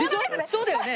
そうだよね。